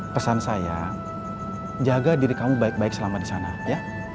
pesan saya jaga diri kamu baik baik selama di sana ya